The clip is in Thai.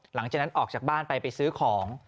หลังจากนั้นออกจากบ้านไปไปซื้อของ